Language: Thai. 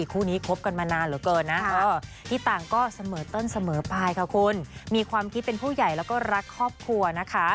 คู่นี้คบกันมานานเหลือเกินนะที่ต่างก็เสมอต้นเสมอไปค่ะคุณมีความคิดเป็นผู้ใหญ่แล้วก็รักครอบครัวนะคะ